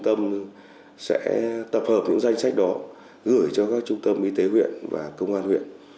tâm sẽ tập hợp những danh sách đó gửi cho các trung tâm y tế huyện và công an huyện